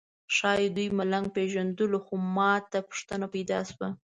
ښایي دوی ملنګ پېژندلو خو ماته پوښتنه پیدا شوه.